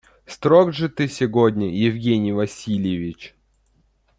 Строг же ты сегодня, Евгений Васильевич.